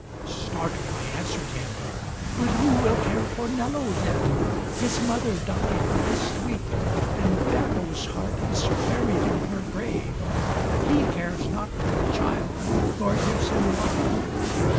Startled I answered him — ^'But who will care For Nello then ? His mother died last week. And Beppo's heart is buried in her grave — He cares not for the child, nor gives him love."